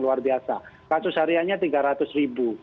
luar biasa kasus hariannya tiga ratus ribu